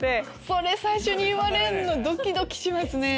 それ最初に言われるのドキドキしますね。